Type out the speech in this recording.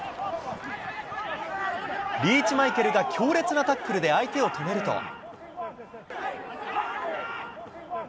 リーチマイケルが強烈なタックルで相手を止めると。